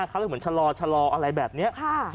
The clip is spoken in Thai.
คันเหมือนชะลออะไรแบบนี้